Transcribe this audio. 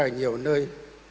ở nhiều nơi